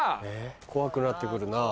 怖くなって来るな。